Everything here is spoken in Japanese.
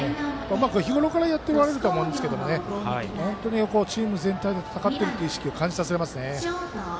日ごろからやっておられるということで本当にチーム全体で戦っている意識を感じられますね。